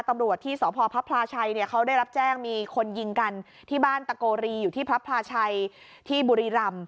ตำรวจที่สพพระพลาชัยเนี่ยเขาได้รับแจ้งมีคนยิงกันที่บ้านตะโกรีอยู่ที่พระพลาชัยที่บุรีรำ